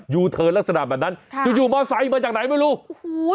ยูเทินลักษณะแบบนั้นจุดมอเตอร์ไซด์มาจากไหนไม่รู้